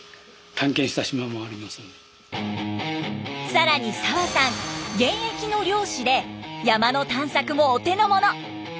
更に澤さん現役の猟師で山の探索もお手の物。